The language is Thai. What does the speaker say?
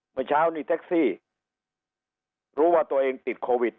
เมื่อเช้านี่แท็กซี่รู้ว่าตัวเองติดโควิด